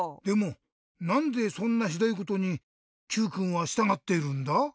でもなんでそんなひどいことにＱくんはしたがってるんだ？